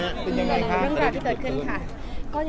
เรื่องราวที่เกิดขึ้นค่ะ